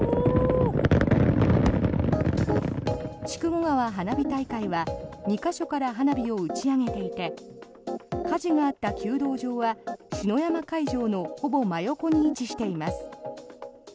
筑後川花火大会は２か所から花火を打ち上げていて火事があった弓道場は篠山会場のほぼ真横に位置しています。